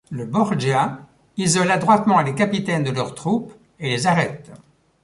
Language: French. Le Borgia isole adroitement les capitaines de leurs troupes et les arrête.